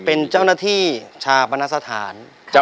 เป็นเจ้าหน้าที่ชาปนสถาน